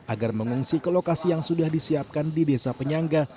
agar mengungsi ke lokasi yang sudah disiapkan di desa penyangga